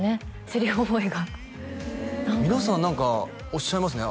セリフ覚えが皆さん何かおっしゃいますね